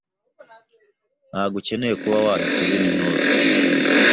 Ntabwo ukeneye kuba wahita uba intyoza